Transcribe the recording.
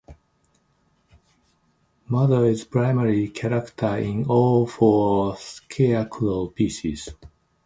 Mother is a primary character in all four Scarecrow pieces.